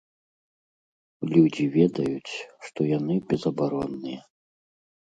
Людзі ведаюць, што яны безабаронныя.